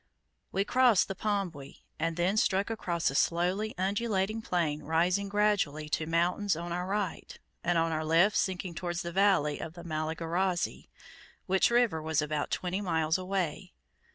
We crossed the Pombwe, and then struck across a slowly undulating plain rising gradually to mountains on our right, and on our left sinking towards the valley of the Malagarazi, which river was about twenty miles away.